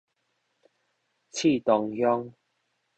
莿桐鄉